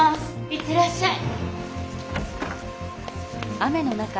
行ってらっしゃい。